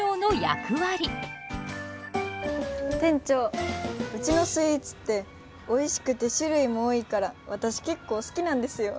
店長うちのスイーツっておいしくて種類も多いから私結構好きなんですよ。